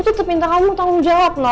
tetep minta kamu tanggung jawab no